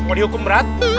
mau dihukum berat